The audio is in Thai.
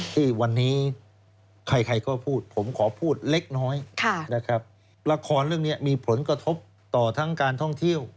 ที่วันนี้ใครก็พูดผมขอพูดเล็กน้อยนะครับละครเรื่องนี้มีผลกระทบต่อทั้งการท่องเที่ยว